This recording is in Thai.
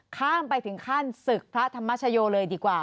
ข้ามไปถึงขั้นศึกพระธรรมชโยเลยดีกว่า